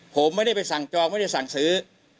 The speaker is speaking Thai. ผมไม่ได้ไปสั่งจองไม่ได้สั่งซื้อ